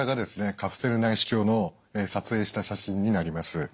カプセル内視鏡の撮影した写真になります。